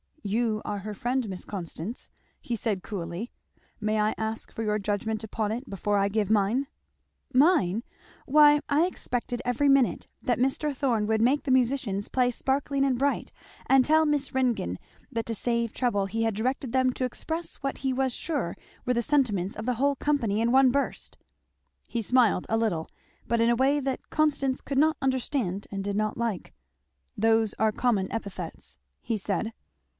"You are her friend, Miss Constance," he said coolly. "May I ask for your judgment upon it before I give mine?" "Mine? why I expected every minute that Mr. Thorn would make the musicians play 'Sparkling and Bright,' and tell Miss Ringgan that to save trouble he had directed them to express what he was sure were the sentiments of the whole company in one burst." He smiled a little, but in a way that Constance could not understand and did not like. "Those are common epithets," he said.